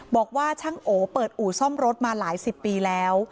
บอกว่าช่างโอเปิดอู่ซ่อมรถมาหลายสิบปีแล้ว